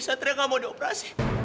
satria gak mau dioperasi